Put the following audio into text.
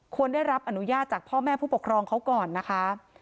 ได้รับอนุญาตจากพ่อแม่ผู้ปกครองเขาก่อนนะคะ